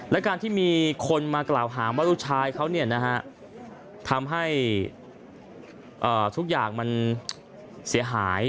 และการที่มีคนมากล่าวหาว่าลูกชายเขาทำให้ทุกอย่างมันเสียหาย